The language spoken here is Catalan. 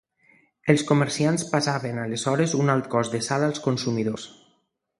Els comerciants passaven aleshores un alt cost de sal als consumidors.